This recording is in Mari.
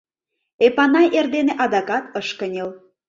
Эпанай эрдене адакат ыш кынел.